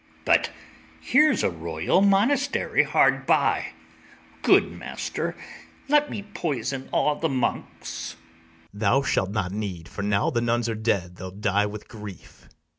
But here's a royal monastery hard by; Good master, let me poison all the monks. BARABAS. Thou shalt not need; for, now the nuns are dead, They'll die with grief.